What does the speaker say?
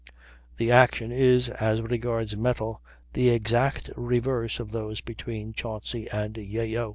The action is, as regards metal, the exact reverse of those between Chauncy and Yeo.